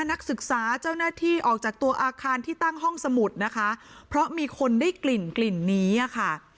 นักศึกษาเจ้าหน้าที่ออกจากตัวอาคารที่ตั้งห้องสมุดนะคะเพราะมีคนได้กลิ่นกลิ่นนี้อ่ะค่ะ